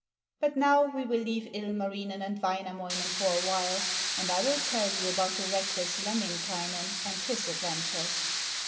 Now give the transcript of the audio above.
But now we will leave Ilmarinen and Wainamoinen for a while, and I will tell you about the reckless Lemminkainen and his adventures.'